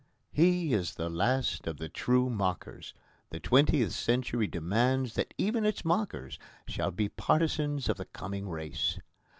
He is the last of the true mockers: the twentieth century demands that even its mockers shall be partisans of the coming race.